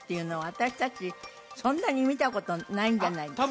私達そんなに見たことないんじゃないですか？